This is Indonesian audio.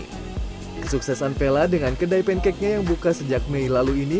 kesuksesan vela dengan kedai pancake nya yang buka sejak mei lalu ini